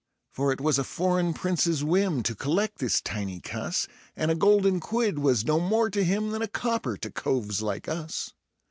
For it was a foreign Prince's whim to collect this tiny cuss, And a golden quid was no more to him than a copper to coves like us.